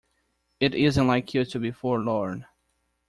It isn't like you to be forlorn.